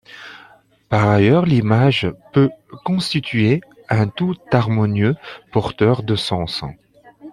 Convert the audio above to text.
Par ailleurs, l'image peut constituer un tout harmonieux porteur de sens.